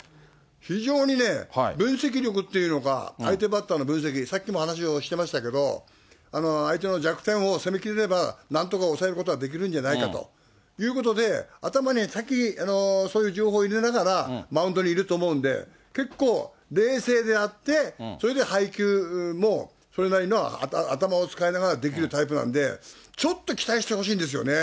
非常にね、分析力っていうのが、相手バッターの分析、さっきも話をしてましたけど、相手の弱点を攻めきれれば、なんとか抑えることはできるんじゃないかということで、頭に先にそういう情報を入れながら、マウンドにいると思うので、結構冷静であって、それで配球も、それなりの頭を使いながらできるタイプなんで、ちょっと期待してほしいんですよね。